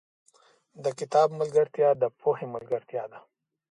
• د کتاب ملګرتیا، د پوهې ملګرتیا ده.